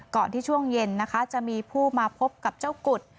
ก่อนที่ช่วงเย็นนะคะจะมีผู้มาพบกับเจ้ากุฎ